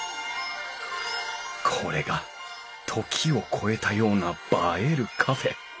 これが「時を超えたような映えるカフェ」